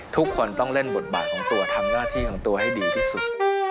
ทุกคนต้องเล่นบทบาทของตัวทำหน้าที่ของตัวให้ดีที่สุด